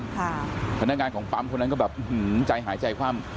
พนักงานของปั๊มคนนั้นก็แบบใจหายใจคว่ำ